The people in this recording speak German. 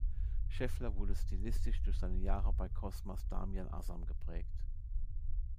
Scheffler wurde stilistisch durch seine Jahre bei Cosmas Damian Asam geprägt.